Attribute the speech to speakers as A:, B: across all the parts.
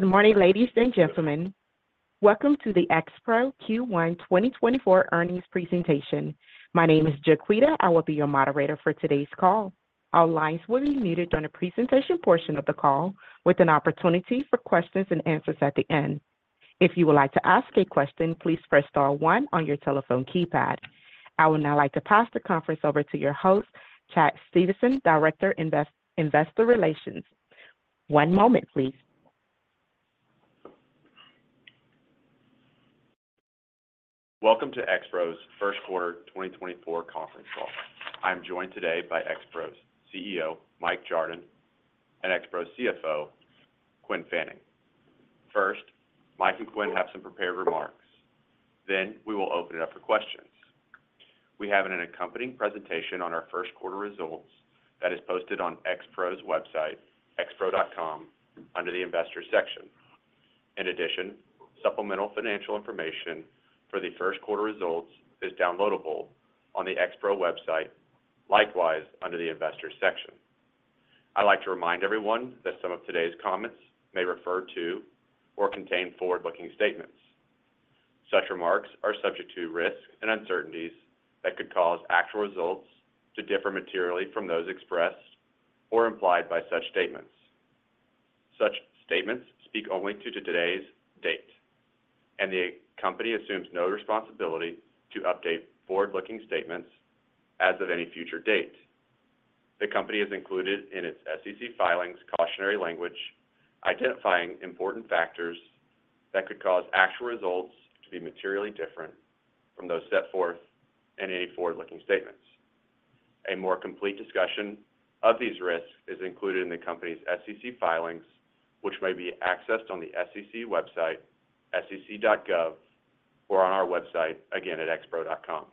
A: Good morning, ladies and gentlemen. Welcome to the Expro Group Holdings N.V. 2024 earnings presentation. My name is Jaquita. I will be your moderator for today's call. Our lines will be muted during the presentation portion of the call, with an opportunity for questions and answers at the end. If you would like to ask a question, please press star 1 on your telephone keypad. I would now like to pass the conference over to your host, Chad Stephenson, Director of Investor Relations. One moment, please.
B: Welcome to Expro Group Holdings N.V.'s Q1 2024 conference call. I am joined today by Expro Group Holdings N.V.'s CEO, Mike Jardon, and Expro Group Holdings N.V.'s CFO, Quinn Fanning. First, Mike and Quinn have some prepared remarks, then we will open it up for questions. We have an accompanying presentation on our Q1 results that is posted on Expro Group Holdings N.V.'s website, expro.com, under the Investors section. In addition, supplemental financial information for the Q1 results is downloadable on the Expro Group Holdings N.V. website, likewise under the Investors section. I'd like to remind everyone that some of today's comments may refer to or contain forward-looking statements. Such remarks are subject to risk and uncertainties that could cause actual results to differ materially from those expressed or implied by such statements. Such statements speak only to today's date, and the company assumes no responsibility to update forward-looking statements as of any future date. The company has included in its SEC filings cautionary language identifying important factors that could cause actual results to be materially different from those set forth in any forward-looking statements. A more complete discussion of these risks is included in the company's SEC filings, which may be accessed on the SEC website, sec.gov, or on our website, again at expro.com.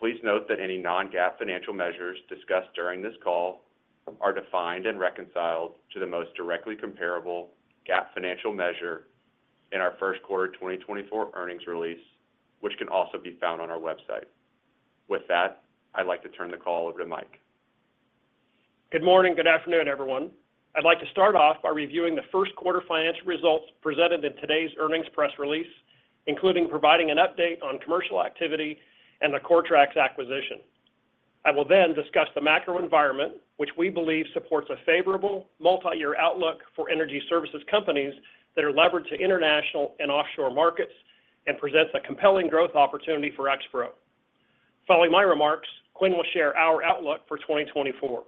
B: Please note that any non-GAAP financial measures discussed during this call are defined and reconciled to the most directly comparable GAAP financial measure in our Q1 2024 earnings release, which can also be found on our website. With that, I'd like to turn the call over to Mike.
C: Good morning. Good afternoon, everyone. I'd like to start off by reviewing the Q1 financial results presented in today's earnings press release, including providing an update on commercial activity and the CoreTrax acquisition. I will then discuss the macro environment, which we believe supports a favorable multi-year outlook for energy services companies that are leveraged to international and offshore markets and presents a compelling growth opportunity for Expro Group Holdings. Following my remarks, Quinn will share our outlook for 2024.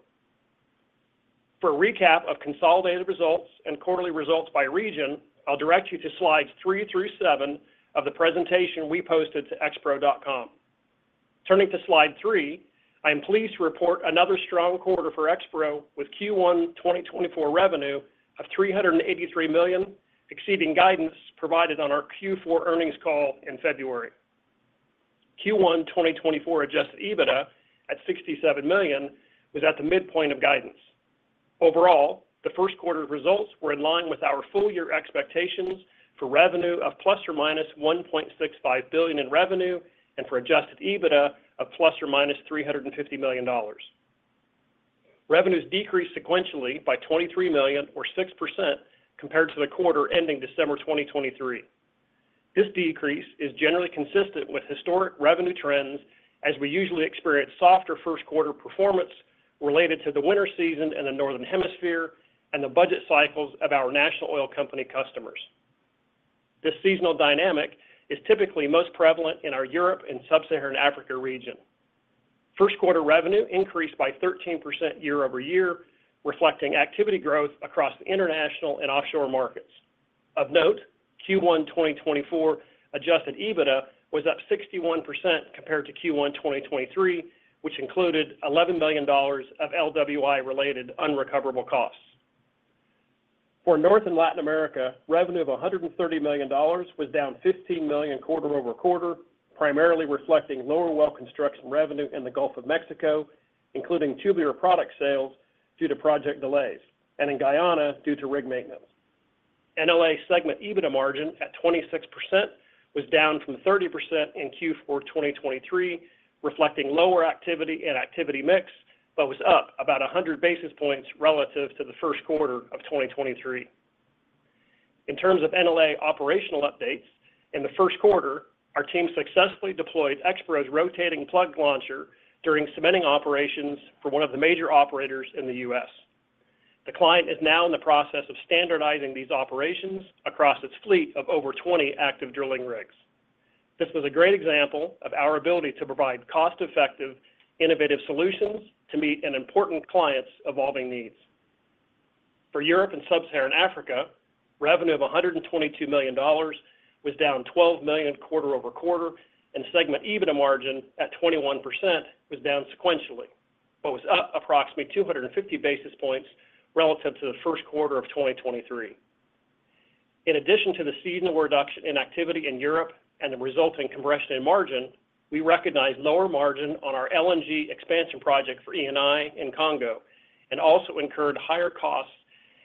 C: For a recap of consolidated results and quarterly results by region, I'll direct you to slides three through seven of the presentation we posted to expro.com. Turning to slide three, I am pleased to report another strong quarter for Expro Group Holdings with Q1 2024 revenue of $383 million, exceeding guidance provided on our Q4 earnings call in February. Q1 2024 adjusted EBITDA at $67 million was at the midpoint of guidance. Overall, the Q1 results were in line with our full-year expectations for revenue of $1.65 billion in revenue and for adjusted EBITDA of $350 million. Revenues decreased sequentially by $23 million, or 6%, compared to the quarter ending December 2023. This decrease is generally consistent with historic revenue trends, as we usually experience softer Q1 performance related to the winter season in the northern hemisphere and the budget cycles of our National Oil Company customers. This seasonal dynamic is typically most prevalent in our Europe and Sub-Saharan Africa region. Q1 revenue increased by 13% year-over-year, reflecting activity growth across the international and offshore markets. Of note, Q1 2024 adjusted EBITDA was up 61% compared to Q1 2023, which included $11 million of LWI-related unrecoverable costs. For North and Latin America, revenue of $130 million was down $15 million quarter over quarter, primarily reflecting lower well construction revenue in the Gulf of Mexico, including tubular product sales due to project delays, and in Guyana due to rig maintenance. NLA segment EBITDA margin at 26% was down from 30% in Q4 2023, reflecting lower activity and activity mix but was up about 100 basis points relative to the Q1 of 2023. In terms of NLA operational updates, in the Q1, our team successfully deployed Expro Group Holdings' Rotating Plug Launcher during cementing operations for one of the major operators in the U.S. The client is now in the process of standardizing these operations across its fleet of over 20 active drilling rigs. This was a great example of our ability to provide cost-effective, innovative solutions to meet an important client's evolving needs. For Europe and Sub-Saharan Africa, revenue of $122 million was down $12 million quarter-over-quarter, and segment EBITDA margin at 21% was down sequentially but was up approximately 250 basis points relative to the Q1 of 2023. In addition to the seasonal reduction in activity in Europe and the resulting compression in margin, we recognized lower margin on our LNG expansion project for Eni in Congo and also incurred higher costs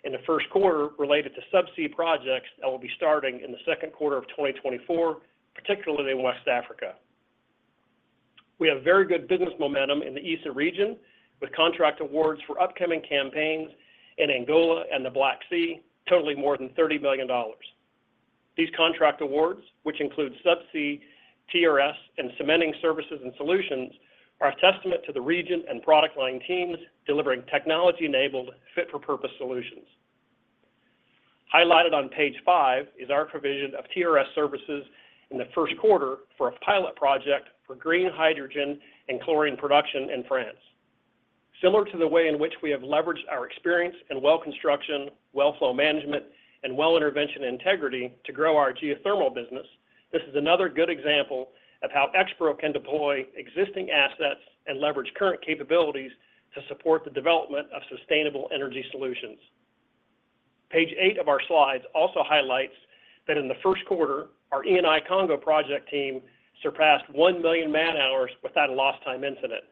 C: in the Q1 related to subsea projects that will be starting in the Q2 of 2024, particularly in West Africa. We have very good business momentum in the ESA region with contract awards for upcoming campaigns in Angola and the Black Sea, totaling more than $30 million. These contract awards, which include subsea, TRS, and cementing services and solutions, are a testament to the region and product line teams delivering technology-enabled, fit-for-purpose solutions. Highlighted on page 5 is our provision of TRS services in the Q1 for a pilot project for green hydrogen and chlorine production in France. Similar to the way in which we have leveraged our experience in well construction, well flow management, and well intervention and integrity to grow our geothermal business, this is another good example of how Expro Group Holdings can deploy existing assets and leverage current capabilities to support the development of sustainable energy solutions. Page 8 of our slides also highlights that in the Q1, our Eni Congo project team surpassed 1 million man-hours without a lost-time incident,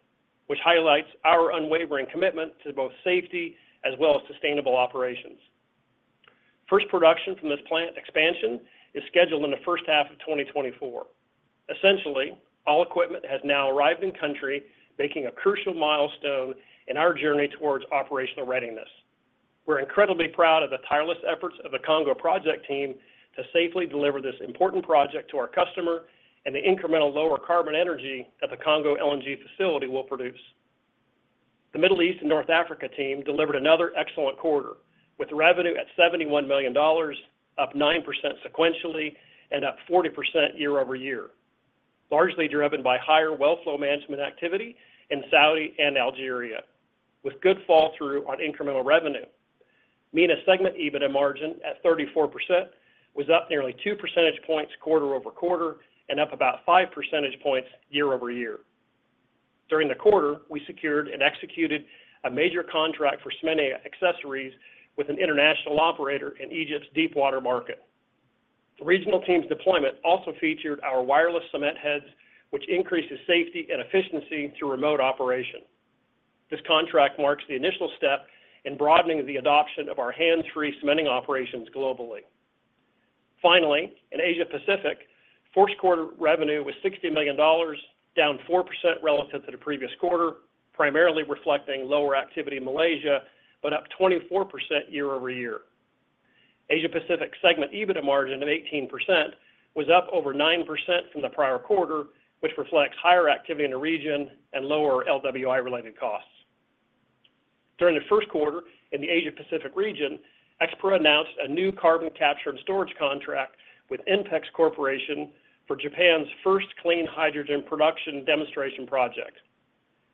C: which highlights our unwavering commitment to both safety as well as sustainable operations. First production from this plant expansion is scheduled in the first half of 2024. Essentially, all equipment has now arrived in country, making a crucial milestone in our journey towards operational readiness. We're incredibly proud of the tireless efforts of the Congo project team to safely deliver this important project to our customer and the incremental lower carbon energy that the Congo LNG facility will produce. The Middle East and North Africa team delivered another excellent quarter, with revenue at $71 million, up 9% sequentially and up 40% year-over-year, largely driven by higher well flow management activity in Saudi and Algeria, with good fall-through on incremental revenue. MENA segment EBITDA margin at 34% was up nearly 2 percentage points quarter-over-quarter and up about 5 percentage points year-over-year. During the quarter, we secured and executed a major contract for cementing accessories with an international operator in Egypt's deepwater market. The regional team's deployment also featured our wireless cement heads, which increases safety and efficiency through remote operation. This contract marks the initial step in broadening the adoption of our hands-free cementing operations globally. Finally, in Asia-Pacific, Q1 revenue was $60 million, down 4% relative to the previous quarter, primarily reflecting lower activity in Malaysia but up 24% year-over-year. Asia-Pacific segment EBITDA margin of 18% was up over 9% from the prior quarter, which reflects higher activity in the region and lower LWI-related costs. During the Q1 in the Asia-Pacific region, Expro announced a new carbon capture and storage contract with INPEX Corporation for Japan's first clean hydrogen production demonstration project.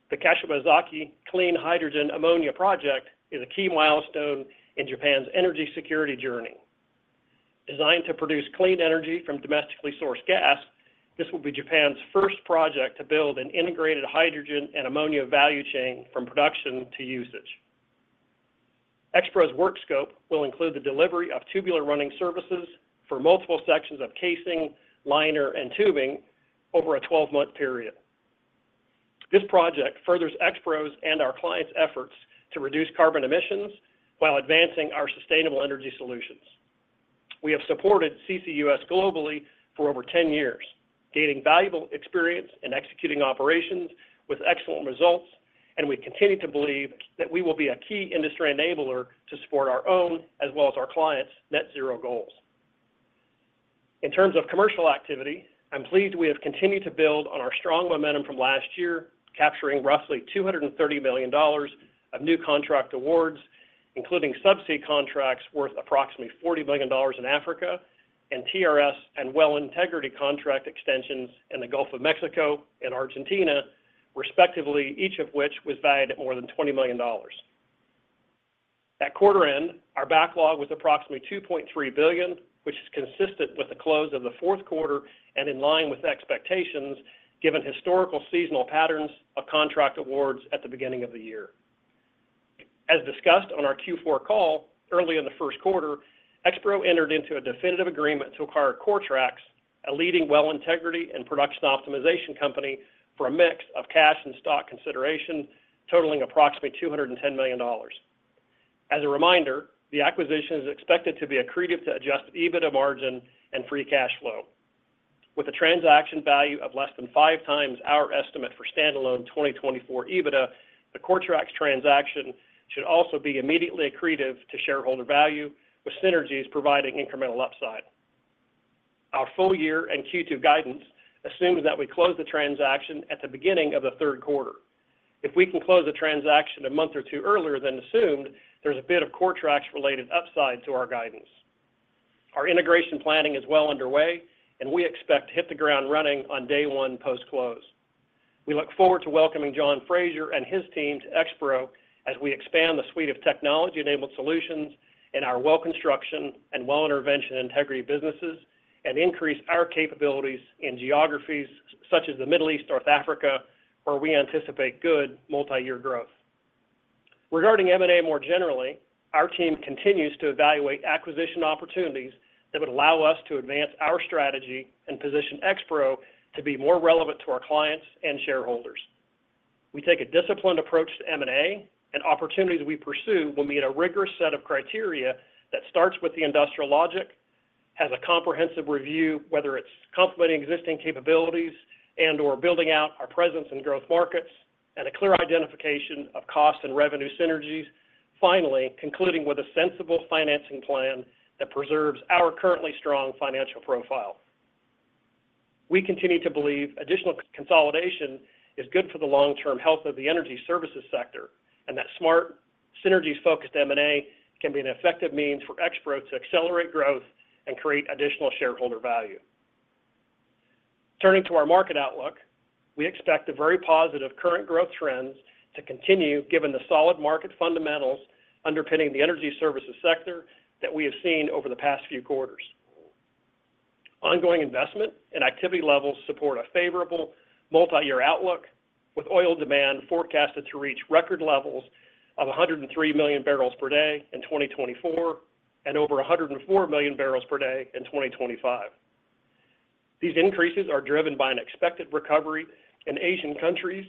C: The Kashiwazaki Clean Hydrogen/Ammonia Project is a key milestone in Japan's energy security journey. Designed to produce clean energy from domestically sourced gas, this will be Japan's first project to build an integrated hydrogen and ammonia value chain from production to usage. Expro Group Holdings' work scope will include the delivery of tubular running services for multiple sections of casing, liner, and tubing over a 12-month period. This project furthers Expro Group Holdings and our client's efforts to reduce carbon emissions while advancing our sustainable energy solutions. We have supported CCUS globally for over 10 years, gaining valuable experience in executing operations with excellent results, and we continue to believe that we will be a key industry enabler to support our own as well as our client's net-zero goals. In terms of commercial activity, I'm pleased we have continued to build on our strong momentum from last year, capturing roughly $230 million of new contract awards, including subsea contracts worth approximately $40 million in Africa and TRS and well integrity contract extensions in the Gulf of Mexico and Argentina, respectively, each of which was valued at more than $20 million. At quarter end, our backlog was approximately $2.3 billion, which is consistent with the close of the Q4 and in line with expectations, given historical seasonal patterns of contract awards at the beginning of the year. As discussed on our Q4 call early in the Q1, Expro Group Holdings entered into a definitive agreement to acquire CoreTrax, a leading well integrity and production optimization company for a mix of cash and stock consideration, totaling approximately $210 million. As a reminder, the acquisition is expected to be accretive to Adjusted EBITDA margin and free cash flow. With a transaction value of less than 5x our estimate for standalone 2024 EBITDA, the CoreTrax transaction should also be immediately accretive to shareholder value, with synergies providing incremental upside. Our full year and Q2 guidance assumes that we close the transaction at the beginning of the Q3. If we can close the transaction a month or two earlier than assumed, there's a bit of CoreTrax-related upside to our guidance. Our integration planning is well underway, and we expect to hit the ground running on day one post-close. We look forward to welcoming John Fraser and his team to Expro Group Holdings as we expand the suite of technology-enabled solutions in our well construction and well intervention integrity businesses and increase our capabilities in geographies such as the Middle East, North Africa, where we anticipate good multi-year growth. Regarding M&A more generally, our team continues to evaluate acquisition opportunities that would allow us to advance our strategy and position Expro Group Holdings to be more relevant to our clients and shareholders. We take a disciplined approach to M&A, and opportunities we pursue will meet a rigorous set of criteria that starts with the industrial logic, has a comprehensive review whether it's complementing existing capabilities and/or building out our presence in growth markets, and a clear identification of cost and revenue synergies, finally concluding with a sensible financing plan that preserves our currently strong financial profile. We continue to believe additional consolidation is good for the long-term health of the energy services sector and that smart, synergies-focused M&A can be an effective means for Expro Group Holdings to accelerate growth and create additional shareholder value. Turning to our market outlook, we expect the very positive current growth trends to continue given the solid market fundamentals underpinning the energy services sector that we have seen over the past few quarters. Ongoing investment and activity levels support a favorable multi-year outlook, with oil demand forecasted to reach record levels of 103 million barrels per day in 2024 and over 104 million barrels per day in 2025. These increases are driven by an expected recovery in Asian countries,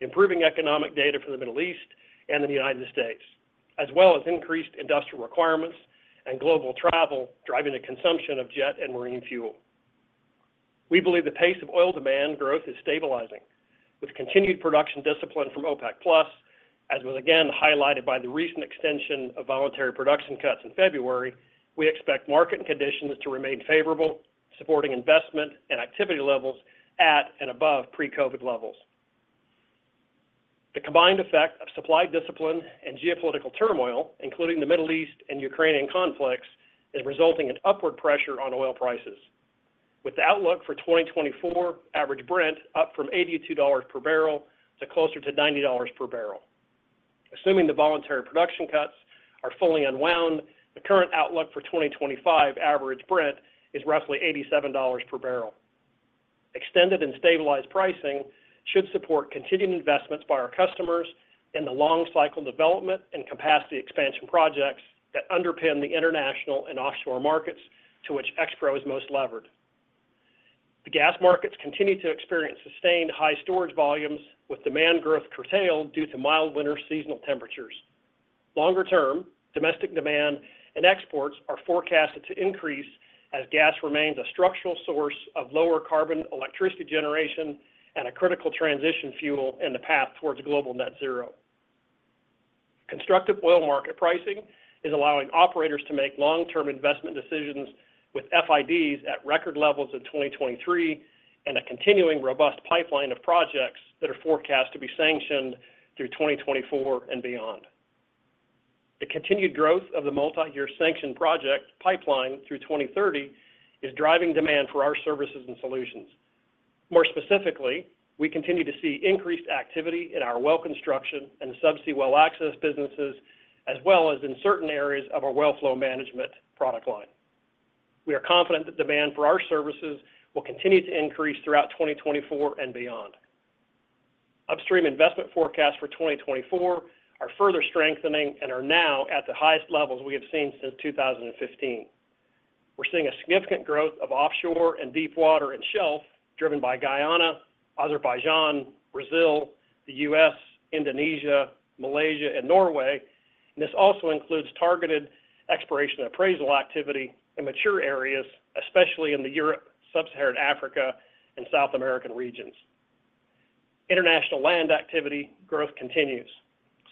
C: improving economic data for the Middle East and the United States, as well as increased industrial requirements and global travel driving the consumption of jet and marine fuel. We believe the pace of oil demand growth is stabilizing. With continued production discipline from OPEC+, as was again highlighted by the recent extension of voluntary production cuts in February, we expect market conditions to remain favorable, supporting investment and activity levels at and above pre-COVID levels. The combined effect of supply discipline and geopolitical turmoil, including the Middle East and Ukrainian conflicts, is resulting in upward pressure on oil prices, with the outlook for 2024 average Brent up from $82 per barrel to closer to $90 per barrel. Assuming the voluntary production cuts are fully unwound, the current outlook for 2025 average Brent is roughly $87 per barrel. Extended and stabilized pricing should support continued investments by our customers in the long-cycle development and capacity expansion projects that underpin the international and offshore markets to which Expro Group Holdings is most levered. The gas markets continue to experience sustained high storage volumes, with demand growth curtailed due to mild winter seasonal temperatures. Longer term, domestic demand and exports are forecasted to increase as gas remains a structural source of lower carbon electricity generation and a critical transition fuel in the path towards global net-zero. Constructive oil market pricing is allowing operators to make long-term investment decisions with FIDs at record levels in 2023 and a continuing robust pipeline of projects that are forecast to be sanctioned through 2024 and beyond. The continued growth of the multi-year sanctioned project pipeline through 2030 is driving demand for our services and solutions. More specifically, we continue to see increased activity in our well construction and subsea well access businesses, as well as in certain areas of our well flow management product line. We are confident that demand for our services will continue to increase throughout 2024 and beyond. Upstream investment forecasts for 2024 are further strengthening and are now at the highest levels we have seen since 2015. We're seeing a significant growth of offshore and deepwater and shelf driven by Guyana, Azerbaijan, Brazil, the US, Indonesia, Malaysia, and Norway. This also includes targeted exploration and appraisal activity in mature areas, especially in the Europe, Sub-Saharan Africa, and South American regions. International land activity growth continues,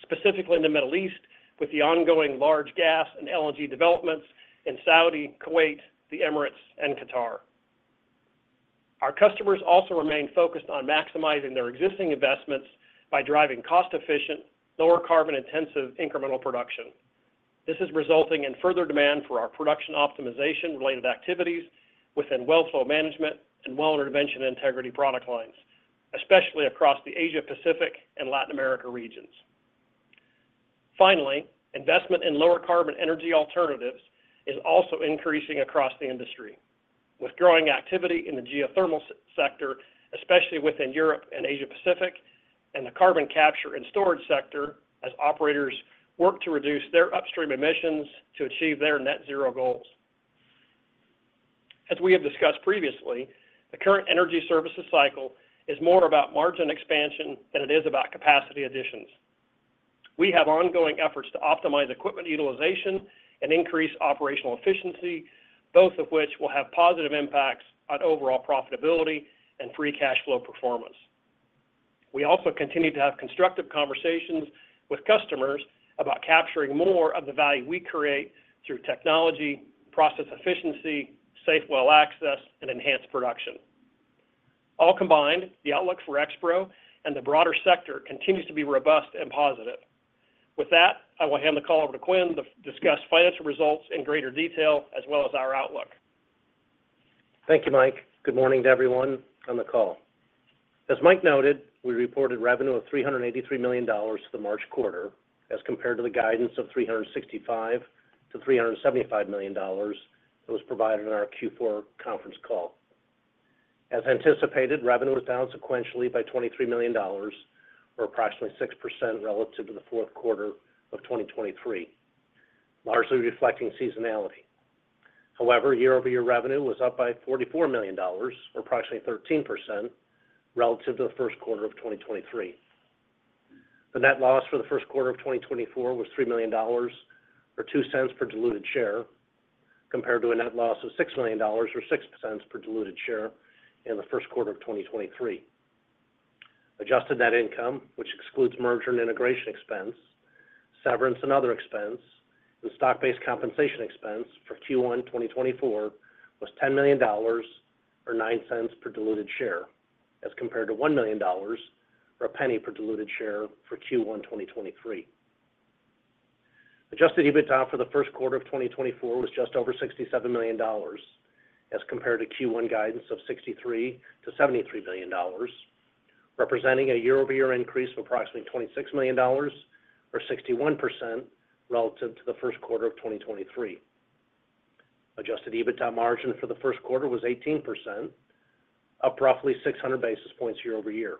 C: specifically in the Middle East, with the ongoing large gas and LNG developments in Saudi, Kuwait, the Emirates, and Qatar. Our customers also remain focused on maximizing their existing investments by driving cost-efficient, lower carbon intensive incremental production. This is resulting in further demand for our production optimization related activities within well flow management and well intervention integrity product lines, especially across the Asia-Pacific and Latin America regions. Finally, investment in lower carbon energy alternatives is also increasing across the industry, with growing activity in the geothermal sector, especially within Europe and Asia-Pacific, and the carbon capture and storage sector as operators work to reduce their upstream emissions to achieve their net-zero goals. As we have discussed previously, the current energy services cycle is more about margin expansion than it is about capacity additions. We have ongoing efforts to optimize equipment utilization and increase operational efficiency, both of which will have positive impacts on overall profitability and free cash flow performance. We also continue to have constructive conversations with customers about capturing more of the value we create through technology, process efficiency, safe well access, and enhanced production. All combined, the outlook for Expro Group Holdings and the broader sector continues to be robust and positive. With that, I will hand the call over to Quinn to discuss financial results in greater detail as well as our outlook.
D: Thank you, Mike. Good morning to everyone on the call. As Mike noted, we reported revenue of $383 million for the March quarter as compared to the guidance of $365-$375 million that was provided in our Q4 conference call. As anticipated, revenue was down sequentially by $23 million, or approximately 6% relative to the Q4 of 2023, largely reflecting seasonality. However, year-over-year revenue was up by $44 million, or approximately 13% relative to the Q1 of 2023. The net loss for the Q1 of 2024 was $3 million, or $0.02 per diluted share, compared to a net loss of $6 million, or $0.06 per diluted share in the Q1 of 2023. Adjusted net income, which excludes merger and integration expense, severance and other expense, and stock-based compensation expense for Q1 2024 was $10 million, or 9 cents per diluted share, as compared to $1 million, or 1 cent per diluted share for Q1 2023. Adjusted EBITDA for the Q1 of 2024 was just over $67 million as compared to Q1 guidance of $63-$73 million, representing a year-over-year increase of approximately $26 million, or 61% relative to the Q1 of 2023. Adjusted EBITDA margin for the Q1 was 18%, up roughly 600 basis points year-over-year.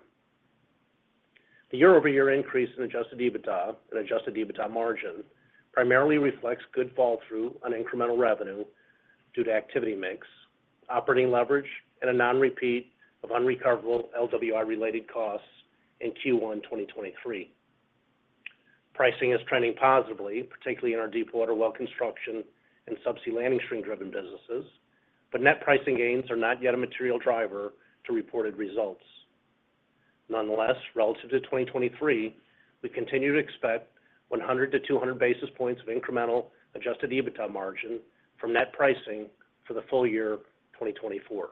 D: The year-over-year increase in adjusted EBITDA and adjusted EBITDA margin primarily reflects good follow through on incremental revenue due to activity mix, operating leverage, and a non-repeat of unrecoverable LWI related costs in Q1 2023. Pricing is trending positively, particularly in our deepwater well construction and subsea landing string driven businesses, but net pricing gains are not yet a material driver to reported results. Nonetheless, relative to 2023, we continue to expect 100-200 basis points of incremental adjusted EBITDA margin from net pricing for the full year 2024.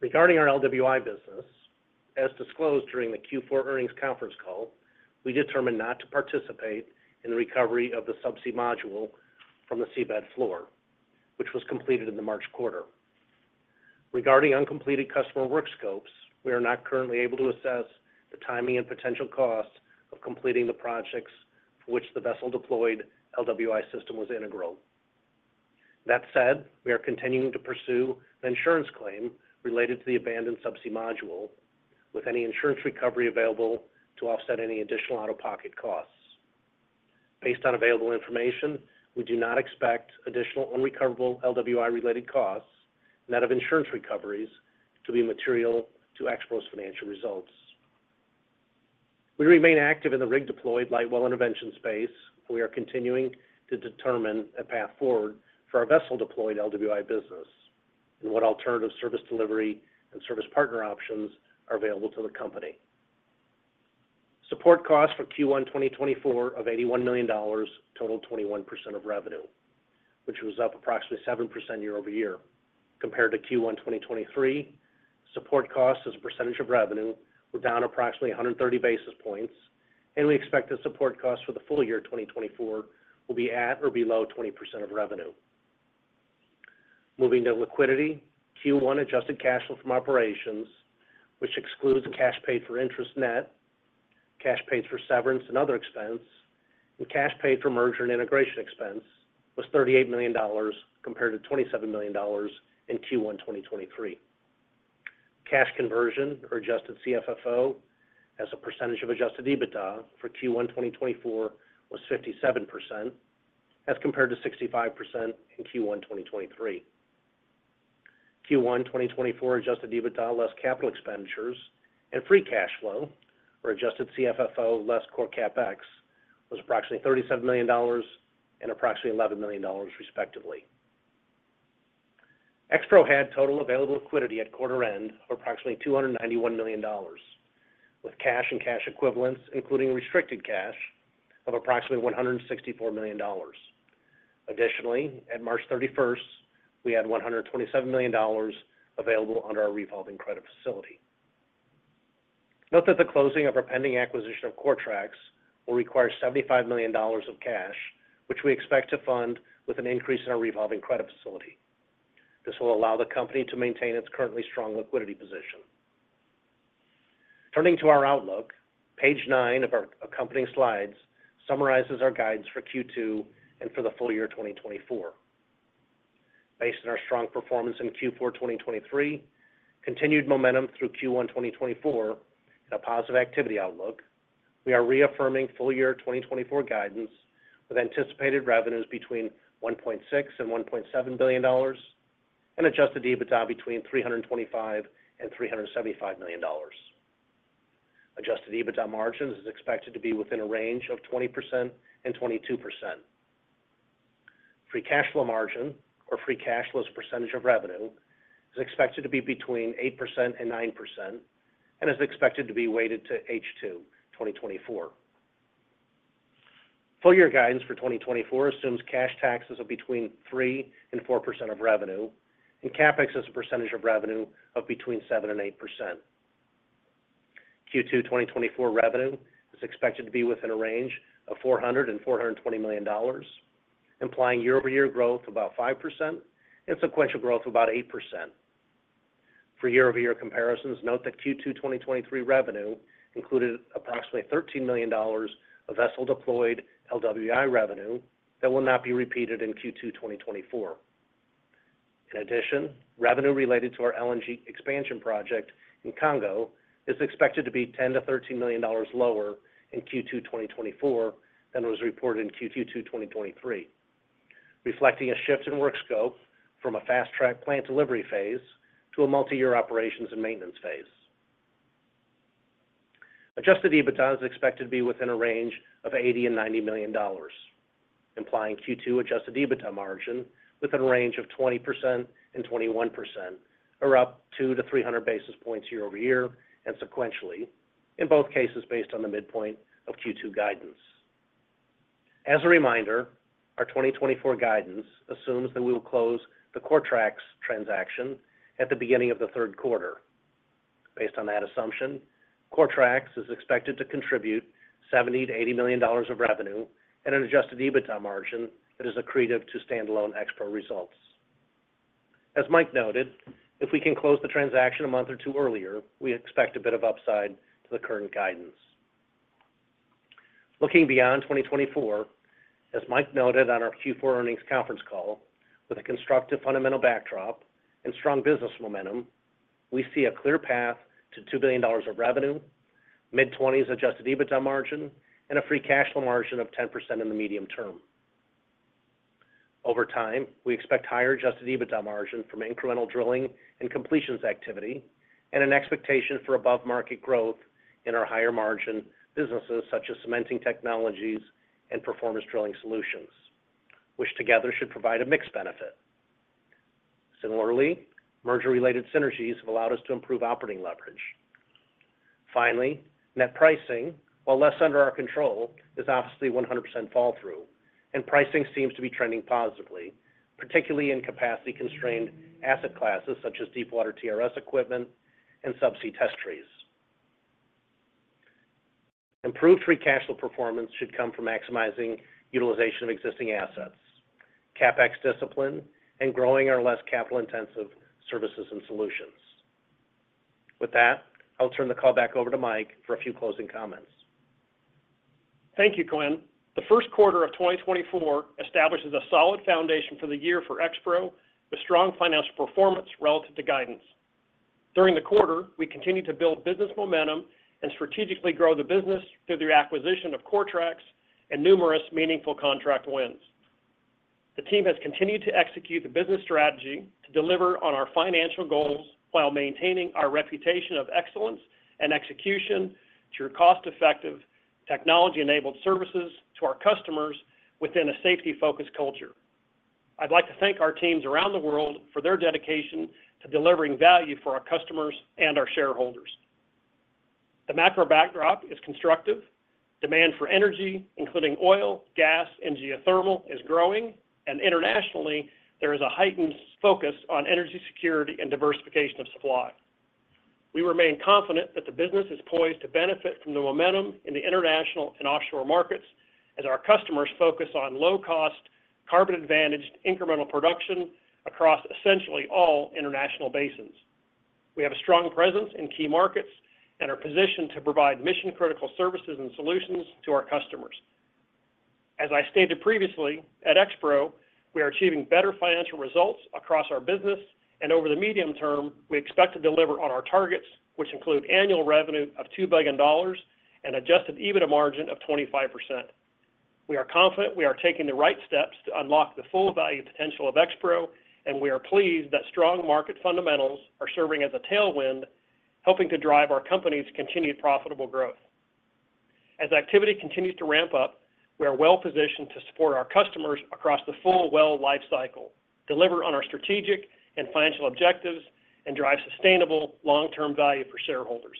D: Regarding our LWI business, as disclosed during the Q4 earnings conference call, we determined not to participate in the recovery of the subsea module from the seabed floor, which was completed in the March quarter. Regarding uncompleted customer work scopes, we are not currently able to assess the timing and potential costs of completing the projects for which the vessel deployed LWI system was integral. That said, we are continuing to pursue an insurance claim related to the abandoned subsea module, with any insurance recovery available to offset any additional out of pocket costs. Based on available information, we do not expect additional unrecoverable LWI related costs net of insurance recoveries to be material to Expro's financial results. We remain active in the rig deployed light well intervention space, and we are continuing to determine a path forward for our vessel deployed LWI business and what alternative service delivery and service partner options are available to the company. Support costs for Q1 2024 of $81 million total 21% of revenue, which was up approximately 7% year-over-year. Compared to Q1 2023, support costs as a percentage of revenue were down approximately 130 basis points, and we expect the support costs for the full year 2024 will be at or below 20% of revenue. Moving to liquidity, Q1 adjusted cash flow from operations, which excludes cash paid for interest net, cash paid for severance and other expense, and cash paid for merger and integration expense, was $38 million compared to $27 million in Q1 2023. Cash conversion, or adjusted CFFO, as a percentage of adjusted EBITDA for Q1 2024 was 57% as compared to 65% in Q1 2023. Q1 2024 adjusted EBITDA less capital expenditures and free cash flow, or adjusted CFFO less core CapEx, was approximately $37 million and approximately $11 million, respectively. Expro had total available liquidity at quarter end of approximately $291 million, with cash and cash equivalents, including restricted cash, of approximately $164 million. Additionally, at March 31st, we had $127 million available under our revolving credit facility. Note that the closing of our pending acquisition of CoreTrax will require $75 million of cash, which we expect to fund with an increase in our revolving credit facility. This will allow the company to maintain its currently strong liquidity position. Turning to our outlook, page nine of our accompanying slides summarizes our guides for Q2 and for the full year 2024. Based on our strong performance in Q4 2023, continued momentum through Q1 2024, and a positive activity outlook, we are reaffirming full year 2024 guidance with anticipated revenues between $1.6-$1.7 billion and adjusted EBITDA between $325-$375 million. Adjusted EBITDA margins is expected to be within a range of 20%-22%. Free cash flow margin, or free cash flow as a percentage of revenue, is expected to be between 8%-9% and is expected to be weighted to H2 2024. Full-year guidance for 2024 assumes cash taxes of between 3% and 4% of revenue and CapEx as a percentage of revenue of between 7% and 8%. Q2 2024 revenue is expected to be within a range of $400-$420 million, implying year-over-year growth of about 5% and sequential growth of about 8%. For year-over-year comparisons, note that Q2 2023 revenue included approximately $13 million of vessel-deployed LWI revenue that will not be repeated in Q2 2024. In addition, revenue related to our Congo LNG expansion project is expected to be $10-$13 million lower in Q2 2024 than was reported in Q2 2023, reflecting a shift in work scope from a fast track plant delivery phase to a multi-year operations and maintenance phase. Adjusted EBITDA is expected to be within a range of $80-$90 million, implying Q2 adjusted EBITDA margin within a range of 20%-21%, or up 2-300 basis points year over year and sequentially, in both cases based on the midpoint of Q2 guidance. As a reminder, our 2024 guidance assumes that we will close the CoreTrax transaction at the beginning of the Q3. Based on that assumption, CoreTrax is expected to contribute $70-$80 million of revenue and an adjusted EBITDA margin that is accretive to standalone Expro results. As Mike noted, if we can close the transaction a month or two earlier, we expect a bit of upside to the current guidance. Looking beyond 2024, as Mike noted on our Q4 earnings conference call, with a constructive fundamental backdrop and strong business momentum, we see a clear path to $2 billion of revenue, mid-20s Adjusted EBITDA margin, and a free cash flow margin of 10% in the medium term. Over time, we expect higher Adjusted EBITDA margin from incremental drilling and completions activity and an expectation for above market growth in our higher margin businesses such as cementing technologies and performance drilling solutions, which together should provide a mixed benefit. Similarly, merger-related synergies have allowed us to improve operating leverage. Finally, net pricing, while less under our control, is obviously 100% follow through, and pricing seems to be trending positively, particularly in capacity-constrained asset classes such as deepwater TRS equipment and subsea test trees. Improved Free Cash Flow performance should come from maximizing utilization of existing assets, CapEx discipline, and growing our less capital intensive services and solutions. With that, I'll turn the call back over to Mike for a few closing comments.
C: Thank you, Quinn. The Q1 of 2024 establishes a solid foundation for the year for Expro with strong financial performance relative to guidance. During the quarter, we continue to build business momentum and strategically grow the business through the acquisition of CoreTrax and numerous meaningful contract wins. The team has continued to execute the business strategy to deliver on our financial goals while maintaining our reputation of excellence and execution through cost effective technology enabled services to our customers within a safety focused culture. I'd like to thank our teams around the world for their dedication to delivering value for our customers and our shareholders. The macro backdrop is constructive. Demand for energy, including oil, gas, and geothermal, is growing, and internationally, there is a heightened focus on energy security and diversification of supply. We remain confident that the business is poised to benefit from the momentum in the international and offshore markets as our customers focus on low cost, carbon advantaged incremental production across essentially all international basins. We have a strong presence in key markets and our position to provide mission critical services and solutions to our customers. As I stated previously, at Expro, we are achieving better financial results across our business, and over the medium term, we expect to deliver on our targets, which include annual revenue of $2 billion and adjusted EBITDA margin of 25%. We are confident we are taking the right steps to unlock the full value potential of Expro, and we are pleased that strong market fundamentals are serving as a tailwind helping to drive our company's continued profitable growth. As activity continues to ramp up, we are well positioned to support our customers across the full well lifecycle, deliver on our strategic and financial objectives, and drive sustainable long term value for shareholders.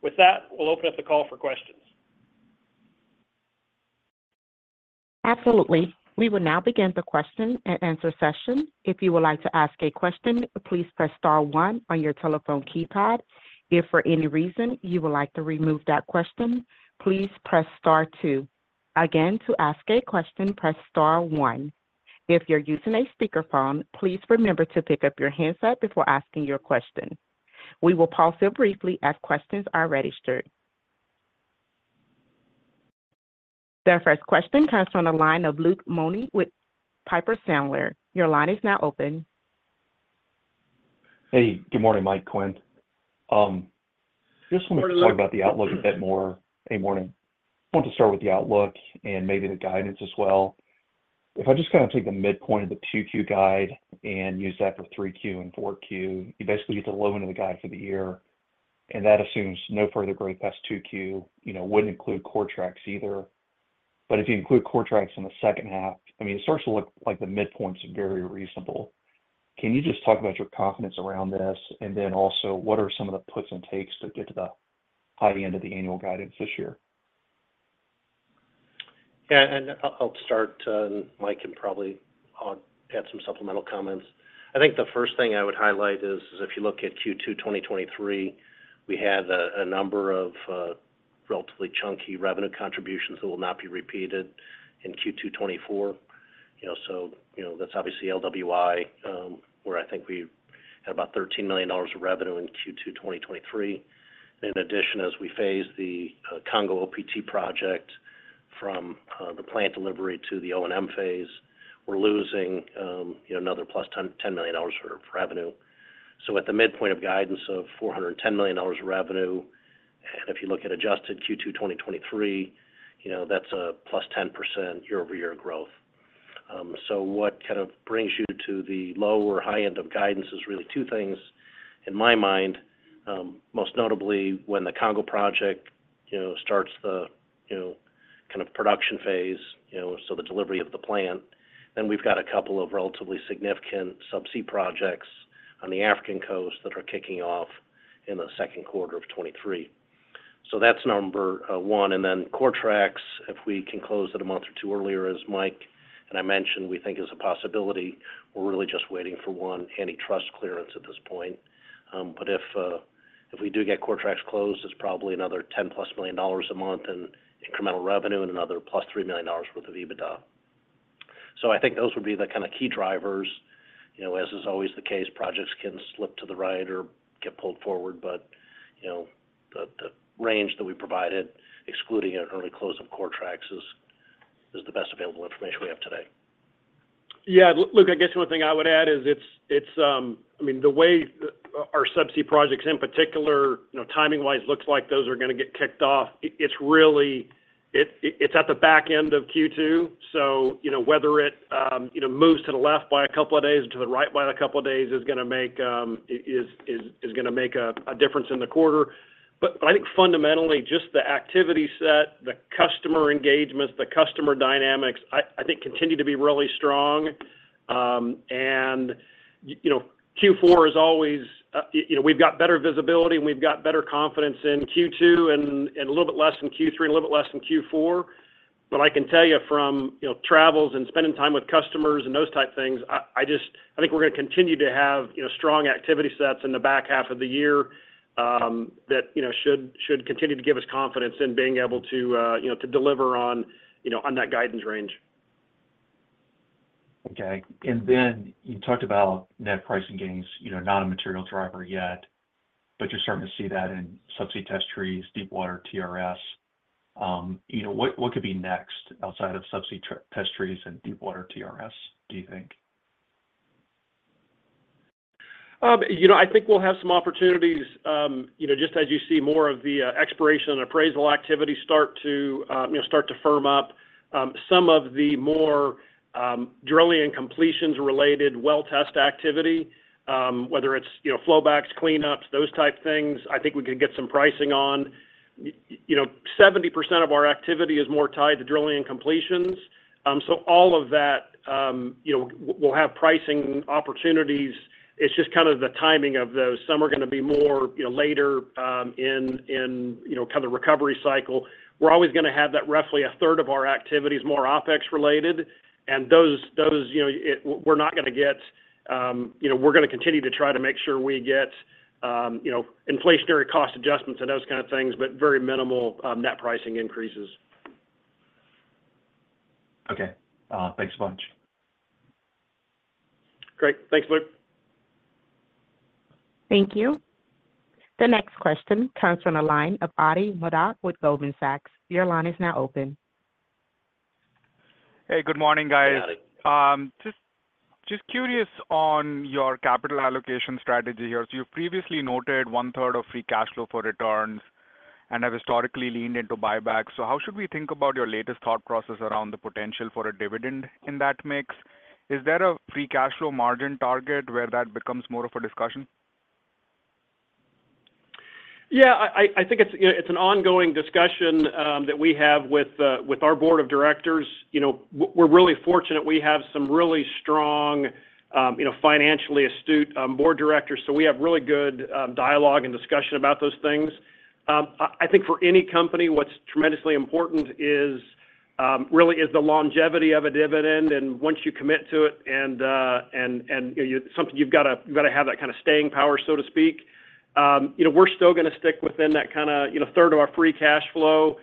C: With that, we'll open up the call for questions.
A: Absolutely. We will now begin the question and answer session. If you would like to ask a question, please press star one on your telephone keypad. If for any reason you would like to remove that question, please press star two. Again, to ask a question, press star one. If you're using a speakerphone, please remember to pick up your handset before asking your question. We will pause here briefly as questions are registered. The first question comes from the line of Luke Lemoine with Piper Sandler. Your line is now open.
E: Hey, good morning, Mike, Quinn. I just want to talk about the outlook a bit more. Hey, morning. I want to start with the outlook and maybe the guidance as well. If I just kind of take the midpoint of the 2Q guide and use that for 3Q and 4Q, you basically get the low end of the guide for the year, and that assumes no further growth past 2Q. It wouldn't include CoreTrax either. But if you include CoreTrax in the second half, I mean, it starts to look like the midpoint's very reasonable. Can you just talk about your confidence around this, and then also what are some of the puts and takes to get to the high end of the annual guidance this year?
D: Yeah, and I'll start. Mike can probably add some supplemental comments. I think the first thing I would highlight is if you look at Q2 2023, we had a number of relatively chunky revenue contributions that will not be repeated in Q2 2024. So that's obviously LWI, where I think we had about $13 million of revenue in Q2 2023. And in addition, as we phase the Congo OPT project from the plant delivery to the O&M phase, we're losing another plus $10 million of revenue. So at the midpoint of guidance of $410 million of revenue, and if you look at adjusted Q2 2023, that's a +10% year-over-year growth. So what kind of brings you to the low or high end of guidance is really two things. In my mind, most notably, when the Congo project starts the kind of production phase, so the delivery of the plant, then we've got a couple of relatively significant subsea projects on the African coast that are kicking off in the Q2 of 2023. So that's number one. And then CoreTrax, if we can close it a month or two earlier, as Mike and I mentioned, we think is a possibility. We're really just waiting for one antitrust clearance at this point. But if we do get CoreTrax closed, it's probably another $10+ million a month in incremental revenue and another $3+ million worth of EBITDA. So I think those would be the kind of key drivers. As is always the case, projects can slip to the right or get pulled forward, but the range that we provided, excluding an early close of CoreTrax, is the best available information we have today.
C: Yeah, Luke, I guess one thing I would add is it's, I mean, the way our subsea projects in particular, timing wise, looks like those are going to get kicked off. It's really at the back end of Q2. So whether it moves to the left by a couple of days or to the right by a couple of days is going to make a difference in the quarter. But I think fundamentally, just the activity set, the customer engagements, the customer dynamics, I think continue to be really strong. And Q4 is always we've got better visibility and we've got better confidence in Q2 and a little bit less in Q3 and a little bit less in Q4. I can tell you from travels and spending time with customers and those type things, I think we're going to continue to have strong activity sets in the back half of the year that should continue to give us confidence in being able to deliver on that guidance range.
E: Okay. And then you talked about net pricing gains, not a material driver yet, but you're starting to see that in Subsea Test Trees, deepwater TRS. What could be next outside of Subsea Test Trees and deepwater TRS, do you think?
C: I think we'll have some opportunities just as you see more of the exploration and appraisal activity start to firm up. Some of the more drilling and completions related well test activity, whether it's flowbacks, cleanups, those type things, I think we can get some pricing on. 70% of our activity is more tied to drilling and completions. So all of that, we'll have pricing opportunities. It's just kind of the timing of those. Some are going to be more later in kind of the recovery cycle. We're always going to have that roughly a third of our activities more OpEx related. Those, we're not going to get we're going to continue to try to make sure we get inflationary cost adjustments and those kind of things, but very minimal net pricing increases.
E: Okay. Thanks so much.
C: Great. Thanks, Luke.
A: Thank you. The next question comes from the line of Atin Modak with Goldman Sachs. Your line is now open.
E: Hey, good morning, guys. Just curious on your capital allocation strategy here. So you've previously noted one third of free cash flow for returns and have historically leaned into buybacks. So how should we think about your latest thought process around the potential for a dividend in that mix? Is there a free cash flow margin target where that becomes more of a discussion?
C: Yeah, I think it's an ongoing discussion that we have with our board of directors. We're really fortunate we have some really strong financially astute board directors. So we have really good dialogue and discussion about those things. I think for any company, what's tremendously important really is the longevity of a dividend. And once you commit to it and something you've got to have that kind of staying power, so to speak, we're still going to stick within that kind of third of our free cash flow.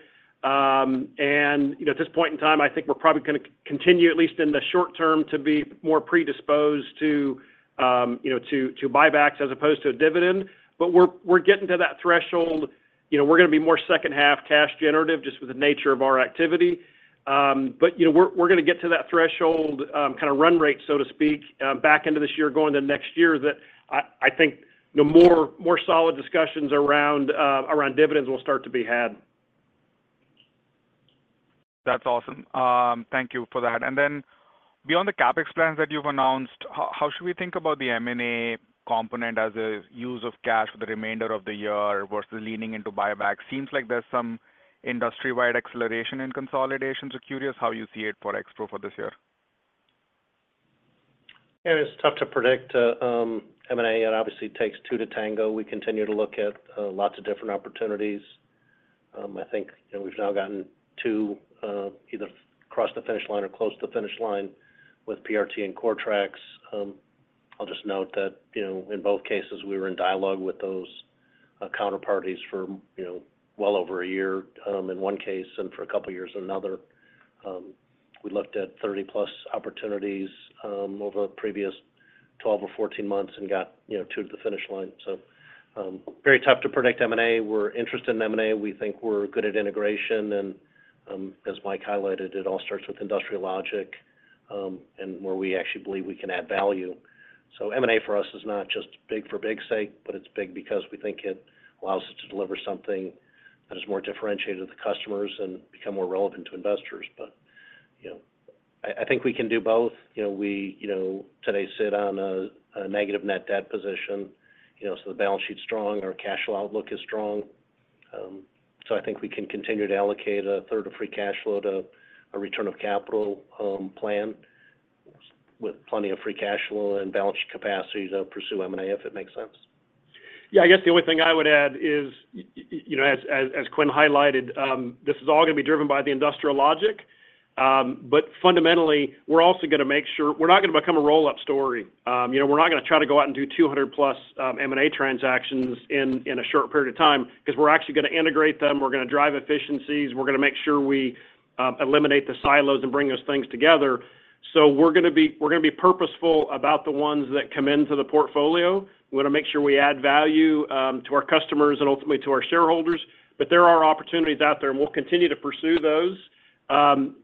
C: And at this point in time, I think we're probably going to continue, at least in the short term, to be more predisposed to buybacks as opposed to a dividend. But we're getting to that threshold. We're going to be more second half cash generative just with the nature of our activity. We're going to get to that threshold kind of run rate, so to speak, back into this year, going to next year that I think more solid discussions around dividends will start to be had.
E: That's awesome. Thank you for that. And then beyond the CapEx plans that you've announced, how should we think about the M&A component as a use of cash for the remainder of the year versus leaning into buybacks? Seems like there's some industry-wide acceleration and consolidation. So curious how you see it for Expro for this year.
D: Yeah, it's tough to predict. M&A obviously takes two to tango. We continue to look at lots of different opportunities. I think we've now gotten two either across the finish line or close to the finish line with PRT and CoreTrax. I'll just note that in both cases, we were in dialogue with those counterparties for well over a year in one case and for a couple of years in another. We looked at 30+ opportunities over the previous 12 or 14 months and got two to the finish line. So very tough to predict M&A. We're interested in M&A. We think we're good at integration. And as Mike highlighted, it all starts with industry logic and where we actually believe we can add value. So M&A for us is not just big for big's sake, but it's big because we think it allows us to deliver something that is more differentiated to the customers and become more relevant to investors. But I think we can do both. We today sit on a negative net debt position. So the balance sheet's strong. Our cash flow outlook is strong. So I think we can continue to allocate a third of free cash flow to a return of capital plan with plenty of free cash flow and balance sheet capacity to pursue M&A, if it makes sense.
C: Yeah, I guess the only thing I would add is, as Quinn highlighted, this is all going to be driven by the industrial logic. But fundamentally, we're also going to make sure we're not going to become a roll up story. We're not going to try to go out and do 200+ M&A transactions in a short period of time because we're actually going to integrate them. We're going to drive efficiencies. We're going to make sure we eliminate the silos and bring those things together. So we're going to be purposeful about the ones that come into the portfolio. We're going to make sure we add value to our customers and ultimately to our shareholders. But there are opportunities out there, and we'll continue to pursue those. And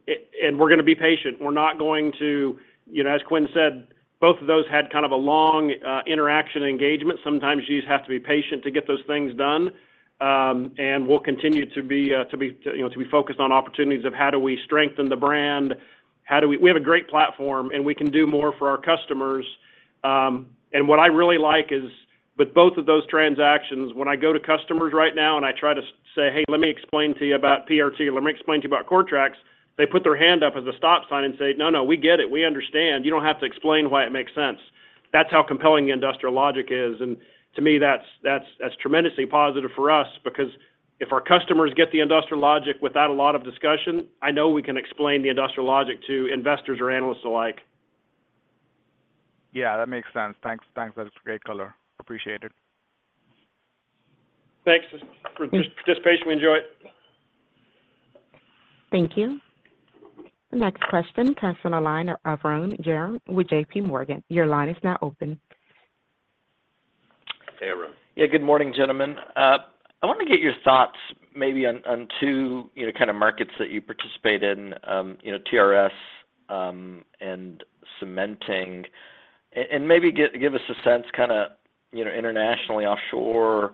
C: we're going to be patient. We're not going to, as Quinn said, both of those had kind of a long interaction and engagement. Sometimes you just have to be patient to get those things done. And we'll continue to be focused on opportunities of how do we strengthen the brand? How do we have a great platform, and we can do more for our customers. And what I really like is with both of those transactions, when I go to customers right now and I try to say, "Hey, let me explain to you about PRT. Let me explain to you about CoreTrax," they put their hand up as a stop sign and say, "No, no, we get it. We understand. You don't have to explain why it makes sense." That's how compelling the industrial logic is. To me, that's tremendously positive for us because if our customers get the industrial logic without a lot of discussion, I know we can explain the industrial logic to investors or analysts alike.
E: Yeah, that makes sense. Thanks. Thanks. That's a great color. Appreciate it.
C: Thanks for your participation. We enjoy it.
A: Thank you. The next question comes from the line of Arun Jayaram with JPMorgan. Your line is now open.
E: Hey, Arun. Yeah, good morning, gentlemen. I want to get your thoughts maybe on two kind of markets that you participate in, TRS and cementing. Maybe give us a sense kind of internationally, offshore,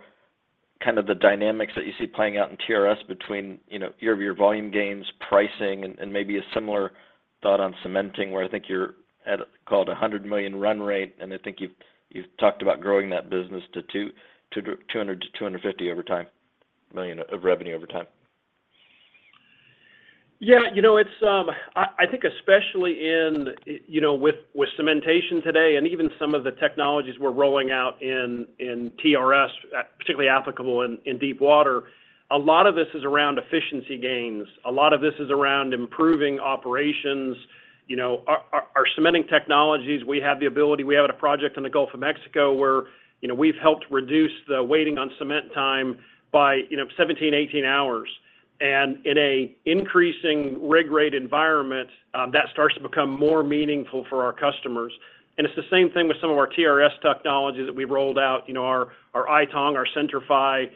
E: kind of the dynamics that you see playing out in TRS between your volume gains, pricing, and maybe a similar thought on cementing where I think you're at called $100 million run rate, and I think you've talked about growing that business to $250 million of revenue over time.
C: Yeah, I think especially with cementation today and even some of the technologies we're rolling out in TRS, particularly applicable in deep water, a lot of this is around efficiency gains. A lot of this is around improving operations. Our cementing technologies, we have the ability we have at a project in the Gulf of Mexico where we've helped reduce the waiting on cement time by 17-18 hours. And in an increasing rig rate environment, that starts to become more meaningful for our customers. And it's the same thing with some of our TRS technologies that we've rolled out, our iTONG, our Centri-Fi.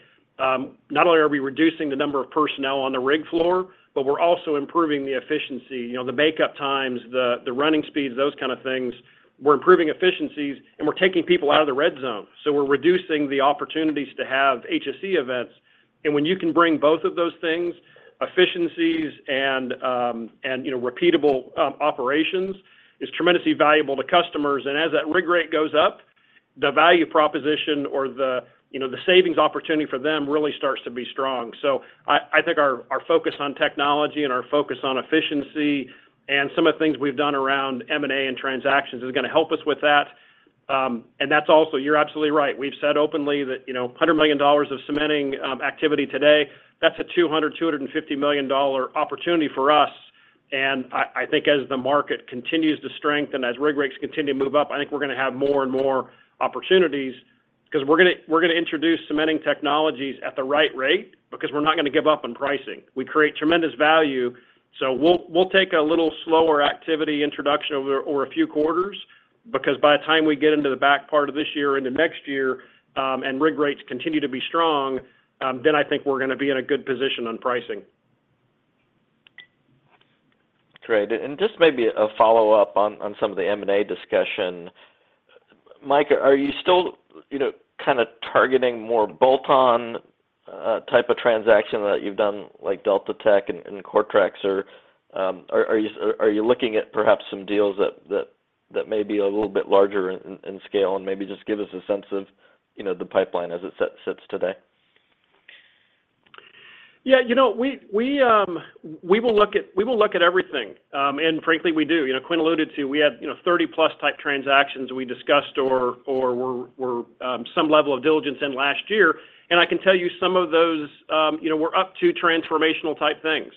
C: Not only are we reducing the number of personnel on the rig floor, but we're also improving the efficiency, the makeup times, the running speeds, those kind of things. We're improving efficiencies, and we're taking people out of the red zone. So we're reducing the opportunities to have HSE events. And when you can bring both of those things, efficiencies and repeatable operations, is tremendously valuable to customers. And as that rig rate goes up, the value proposition or the savings opportunity for them really starts to be strong. So I think our focus on technology and our focus on efficiency and some of the things we've done around M&A and transactions is going to help us with that. And that's also you're absolutely right. We've said openly that $100 million of cementing activity today, that's a $200 million-$250 million opportunity for us. And I think as the market continues to strengthen and as rig rates continue to move up, I think we're going to have more and more opportunities because we're going to introduce cementing technologies at the right rate because we're not going to give up on pricing. We create tremendous value. So we'll take a little slower activity introduction over a few quarters because by the time we get into the back part of this year and into next year and rig rates continue to be strong, then I think we're going to be in a good position on pricing.
E: Great. And just maybe a follow-up on some of the M&A discussion. Mike, are you still kind of targeting more bolt-on type of transaction that you've done like DeltaTek and CoreTrax, or are you looking at perhaps some deals that may be a little bit larger in scale and maybe just give us a sense of the pipeline as it sits today?
C: Yeah, we will look at everything. And frankly, we do. Quinn alluded to we had 30+ type transactions we discussed or were some level of diligence in last year. And I can tell you some of those were up to transformational type things.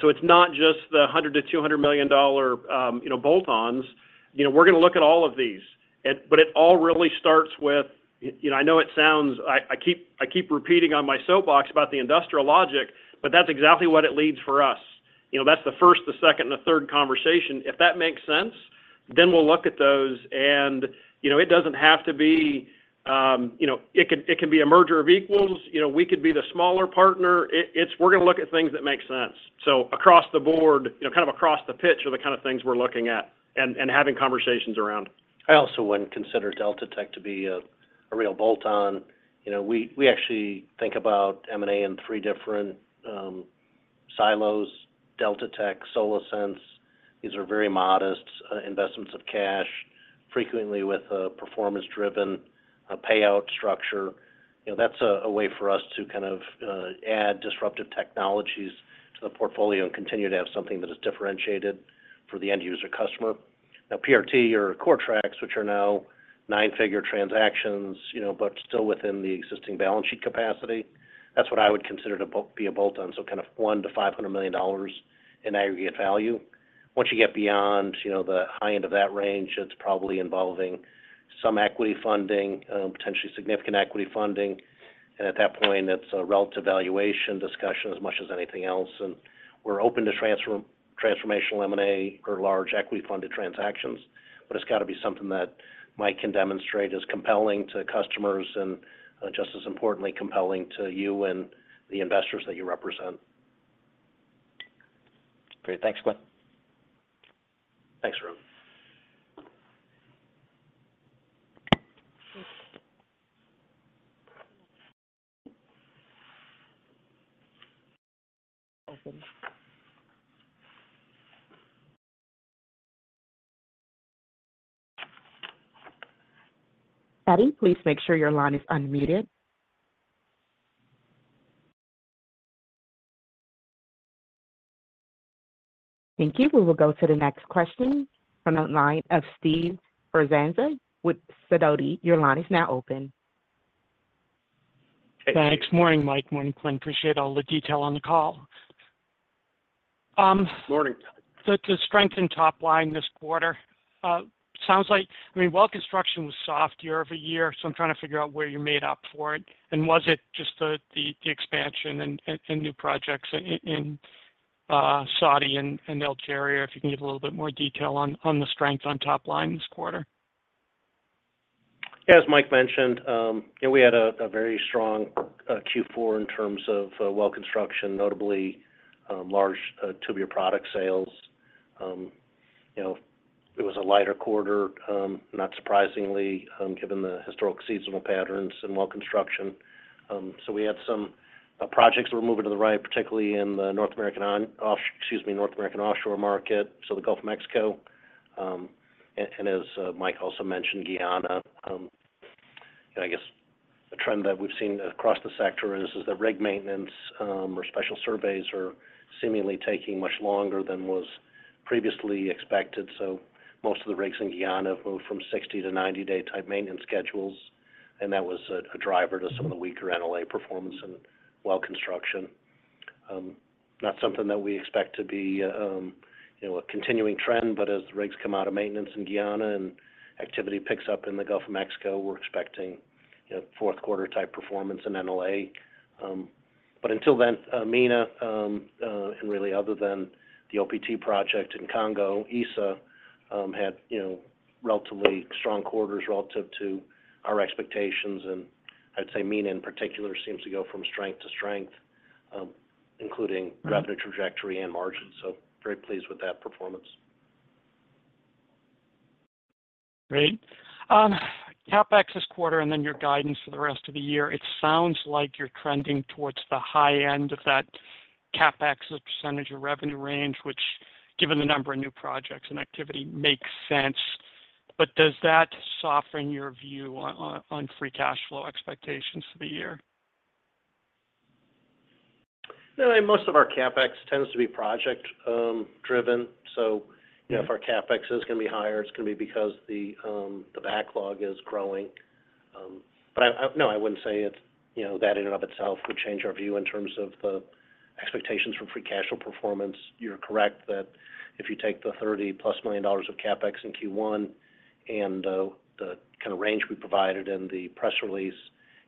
C: So it's not just the $100 million-$200 million bolt-ons. We're going to look at all of these. But it all really starts with I know it sounds I keep repeating on my soapbox about the industrial logic, but that's exactly what it leads for us. That's the first, the second, and the third conversation. If that makes sense, then we'll look at those. And it doesn't have to be it can be a merger of equals. We could be the smaller partner. We're going to look at things that make sense. So, across the board, kind of across the pitch are the kind of things we're looking at and having conversations around.
D: I also wouldn't consider DeltaTek to be a real bolt on. We actually think about M&A in three different silos: DeltaTek, SolaSense. These are very modest investments of cash, frequently with a performance driven payout structure. That's a way for us to kind of add disruptive technologies to the portfolio and continue to have something that is differentiated for the end user customer. Now, PRT or CoreTrax, which are now nine figure transactions, but still within the existing balance sheet capacity, that's what I would consider to be a bolt on. So kind of $1 million-$500 million in aggregate value. Once you get beyond the high end of that range, it's probably involving some equity funding, potentially significant equity funding. And at that point, it's a relative valuation discussion as much as anything else. And we're open to transformational M&A or large equity funded transactions. But it's got to be something that Mike can demonstrate is compelling to customers and just as importantly compelling to you and the investors that you represent.
E: Great. Thanks, Quinn.
D: Thanks, Arun.
A: Open. Addie, please make sure your line is unmuted. Thank you. We will go to the next question from the line of Steve Ferazani with Sidoti. Your line is now open.
E: Thanks. Morning, Mike. Morning, Quinn. Appreciate all the detail on the call.
D: Morning.
E: To strengthen top line this quarter, sounds like I mean, while construction was soft year-over-year, so I'm trying to figure out where you made up for it. And was it just the expansion and new projects in Saudi and Algeria? If you can give a little bit more detail on the strength on top line this quarter.
D: Yeah, as Mike mentioned, we had a very strong Q4 in terms of well construction, notably large tubular product sales. It was a lighter quarter, not surprisingly, given the historic seasonal patterns and well construction. So we had some projects that were moving to the right, particularly in the North American offshore market, so the Gulf of Mexico. And as Mike also mentioned, Guyana. I guess the trend that we've seen across the sector is that rig maintenance or special surveys are seemingly taking much longer than was previously expected. So most of the rigs in Guyana have moved from 60- to 90-day-type maintenance schedules. And that was a driver to some of the weaker NLA performance and well construction. Not something that we expect to be a continuing trend, but as the rigs come out of maintenance in Guyana and activity picks up in the Gulf of Mexico, we're expecting Q4 type performance in NLA. But until then, MENA, and really other than the OPT project in Congo, ESA, had relatively strong quarters relative to our expectations. And I'd say MENA in particular seems to go from strength to strength, including revenue trajectory and margins. So very pleased with that performance.
E: Great. CapEx this quarter and then your guidance for the rest of the year, it sounds like you're trending towards the high end of that CapEx percentage of revenue range, which given the number of new projects and activity makes sense. But does that soften your view on free cash flow expectations for the year?
D: No, I mean, most of our CapEx tends to be project driven. So if our CapEx is going to be higher, it's going to be because the backlog is growing. But no, I wouldn't say that in and of itself would change our view in terms of the expectations for free cash flow performance. You're correct that if you take the $30+ million of CapEx in Q1 and the kind of range we provided in the press release,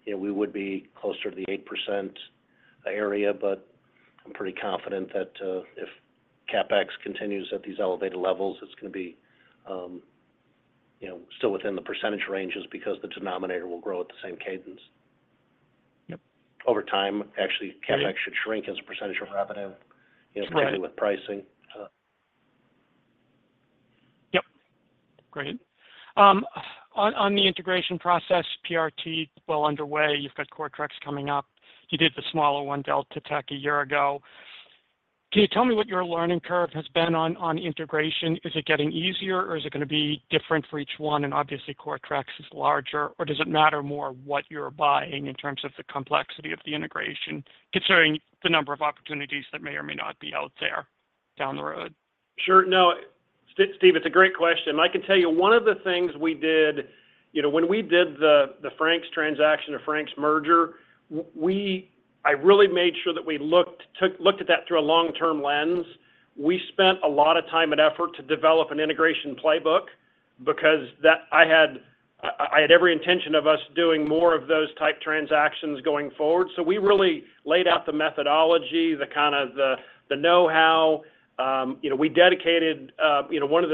D: we would be closer to the 8% area. But I'm pretty confident that if CapEx continues at these elevated levels, it's going to be still within the percentage ranges because the denominator will grow at the same cadence. Over time, actually, CapEx should shrink as a percentage of revenue, particularly with pricing.
F: Yep. Great. On the integration process, PRT, well, underway, you've got CoreTrax coming up. You did the smaller one, DeltaTek, a year ago. Can you tell me what your learning curve has been on integration? Is it getting easier, or is it going to be different for each one? And obviously, CoreTrax is larger, or does it matter more what you're buying in terms of the complexity of the integration, considering the number of opportunities that may or may not be out there down the road?
C: Sure. No, Steve, it's a great question. I can tell you one of the things we did when we did the Franks transaction or Franks merger, I really made sure that we looked at that through a long-term lens. We spent a lot of time and effort to develop an integration playbook because I had every intention of us doing more of those type transactions going forward. So we really laid out the methodology, the kind of the know-how. We dedicated one of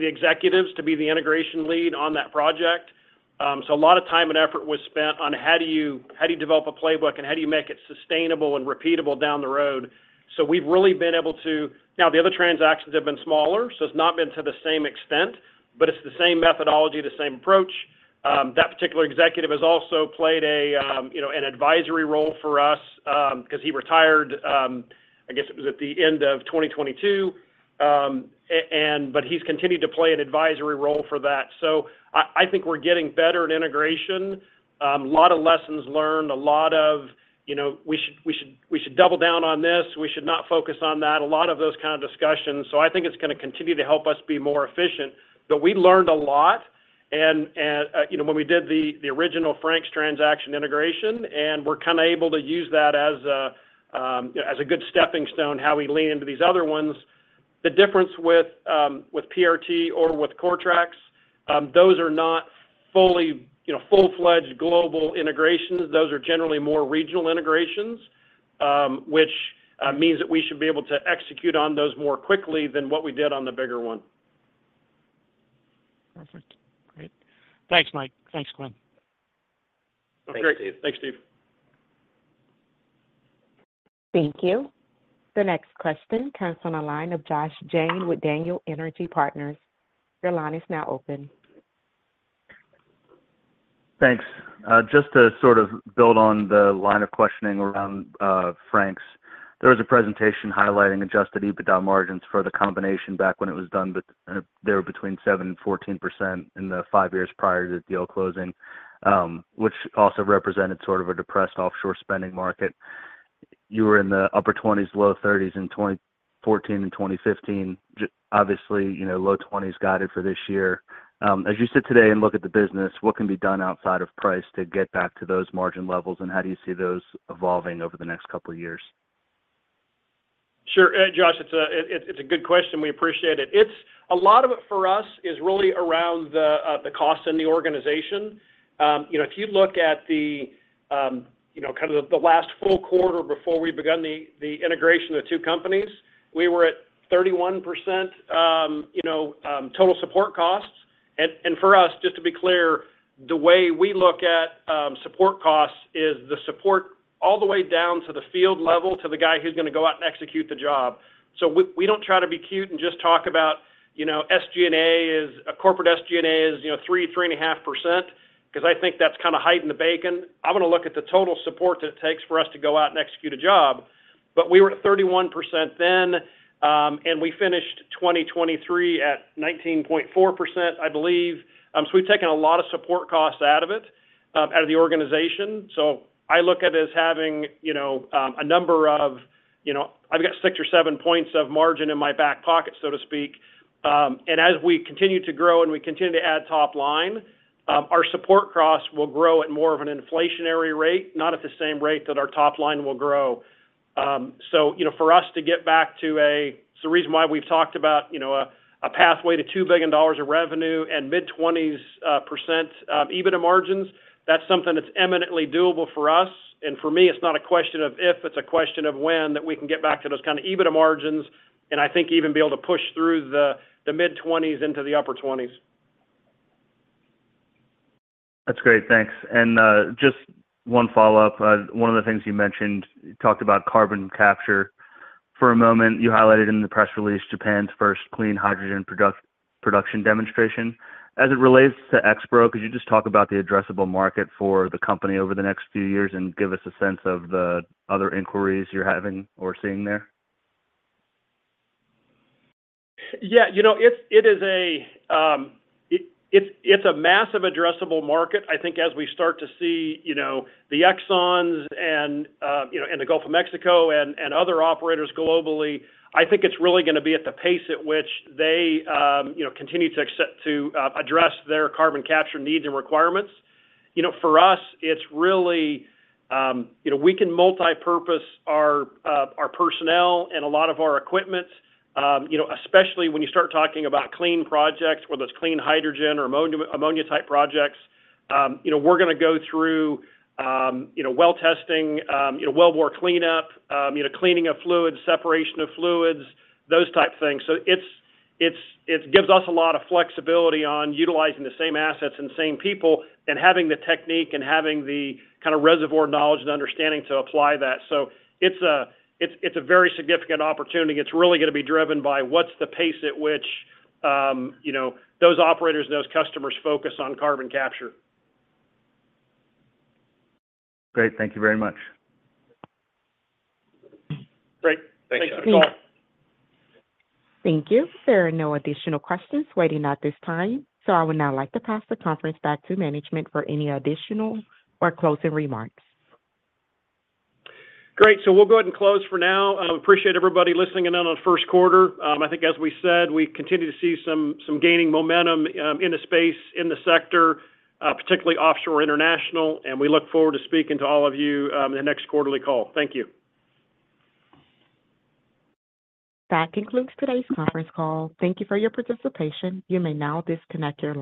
C: the executives to be the integration lead on that project. So a lot of time and effort was spent on how do you develop a playbook and how do you make it sustainable and repeatable down the road? So we've really been able to now, the other transactions have been smaller, so it's not been to the same extent, but it's the same methodology, the same approach. That particular executive has also played an advisory role for us because he retired. I guess it was at the end of 2022. But he's continued to play an advisory role for that. So I think we're getting better in integration. A lot of lessons learned. A lot of, "We should double down on this. We should not focus on that." A lot of those kind of discussions. So I think it's going to continue to help us be more efficient. But we learned a lot. And when we did the original Frank's transaction integration, and we're kind of able to use that as a good stepping stone, how we lean into these other ones. The difference with PRT or with CoreTrax, those are not full-fledged global integrations. Those are generally more regional integrations, which means that we should be able to execute on those more quickly than what we did on the bigger one.
F: Perfect. Great. Thanks, Mike. Thanks, Quinn.
D: Thanks, Steve.
C: Thanks, Steve.
A: Thank you. The next question comes on the line of Josh Jayne with Daniel Energy Partners. Your line is now open.
G: Thanks. Just to sort of build on the line of questioning around Franks, there was a presentation highlighting Adjusted EBITDA margins for the combination back when it was done, but they were between 7%-14% in the 5 years prior to the deal closing, which also represented sort of a depressed offshore spending market. You were in the upper 20s, low 30s in 2014 and 2015. Obviously, low 20s guided for this year. As you sit today and look at the business, what can be done outside of price to get back to those margin levels, and how do you see those evolving over the next couple of years?
C: Sure. Josh, it's a good question. We appreciate it. A lot of it for us is really around the cost in the organization. If you look at the kind of the last full quarter before we began the integration of the two companies, we were at 31% total support costs. And for us, just to be clear, the way we look at support costs is the support all the way down to the field level to the guy who's going to go out and execute the job. So we don't try to be cute and just talk about SG&A is a corporate SG&A is 3%-3.5% because I think that's kind of hiding the bacon. I'm going to look at the total support that it takes for us to go out and execute a job. But we were at 31% then, and we finished 2023 at 19.4%, I believe. So we've taken a lot of support costs out of it, out of the organization. So I look at it as having a number of, I've got 6 or 7 points of margin in my back pocket, so to speak. And as we continue to grow and we continue to add top line, our support costs will grow at more of an inflationary rate, not at the same rate that our top line will grow. So for us to get back to a, it's the reason why we've talked about a pathway to $2 billion of revenue and mid-20s% EBITDA margins. That's something that's eminently doable for us. For me, it's not a question of if, it's a question of when that we can get back to those kind of EBITDA margins, and I think even be able to push through the mid-20s into the upper-20s.
G: That's great. Thanks. And just one follow up. One of the things you mentioned, you talked about carbon capture for a moment. You highlighted in the press release Japan's first clean hydrogen production demonstration. As it relates to Expro, could you just talk about the addressable market for the company over the next few years and give us a sense of the other inquiries you're having or seeing there?
C: Yeah. It is a massive addressable market. I think as we start to see the Exxons and the Gulf of Mexico and other operators globally, I think it's really going to be at the pace at which they continue to address their carbon capture needs and requirements. For us, it's really we can multipurpose our personnel and a lot of our equipment, especially when you start talking about clean projects, whether it's clean hydrogen or ammonia type projects. We're going to go through well testing, wellbore cleanup, cleaning of fluids, separation of fluids, those type things. So it gives us a lot of flexibility on utilizing the same assets and same people and having the technique and having the kind of reservoir knowledge and understanding to apply that. So it's a very significant opportunity. It's really going to be driven by what's the pace at which those operators and those customers focus on carbon capture.
G: Great. Thank you very much.
C: Great. Thanks, Josh.
A: Thank you. There are no additional questions waiting at this time. I would now like to pass the conference back to management for any additional or closing remarks.
C: Great. So we'll go ahead and close for now. I appreciate everybody listening in on the Q1. I think as we said, we continue to see some gaining momentum in the space, in the sector, particularly offshore international. And we look forward to speaking to all of you in the next quarterly call. Thank you.
A: That concludes today's conference call. Thank you for your participation. You may now disconnect your line.